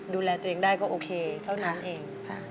ดูแลตัวเองได้ก็โอเคเท่านั้นเอง